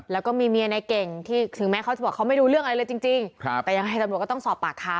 แล้วก็มีเมียในเก่งที่ไม่ดูเรื่องอะไรเลยจริงแต่ยังไงต้องสอบปากคำ